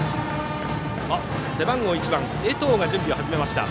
背番号１番の江藤が準備を始めました。